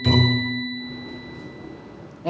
jadi keputusan sidang hari ini adalah